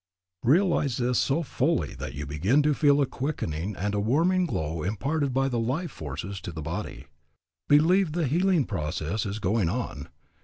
Realize this so fully that you begin to feel a quickening and a warming glow imparted by the life forces to the body. Believe the healing process is going on.